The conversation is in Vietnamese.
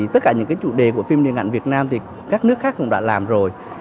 tất cả những chủ đề của phim điện ảnh việt nam thì các nước khác cũng đã làm rồi